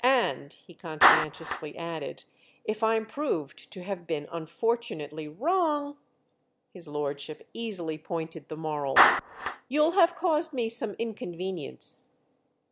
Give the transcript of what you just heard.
And," he conscientiously added, "if I'm proved to have been unfortunately wrong——!" His lordship easily pointed the moral. "You'll have caused me some inconvenience."